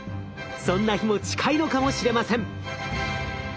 そんな日も近いのかもしれません。